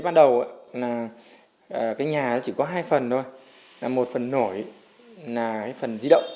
các nhà chỉ có hai phần thôi một phần nổi là phần di động